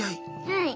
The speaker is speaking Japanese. はい。